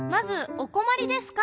「おこまりですか？」。